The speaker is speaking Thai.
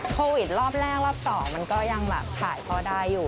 โควิดรอบแรกรอบ๒มันก็ยังแบบถ่ายพ่อได้อยู่